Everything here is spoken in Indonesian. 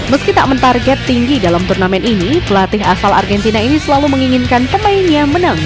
meski tak mentarget tinggi dalam turnamen ini pelatih asal argentina ini selalu menginginkan pemainnya menang